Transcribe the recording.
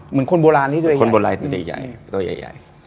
เหมือนคนโบราณที่ตัวใหญ่ใหญ่คนโบราณที่ตัวใหญ่ใหญ่